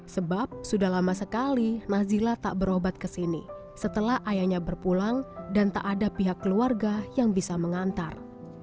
sebab sudah lama sekali nazila tak berobat ke sini setelah ayahnya berpulang dan tak ada pihak keluarga yang bisa mengantar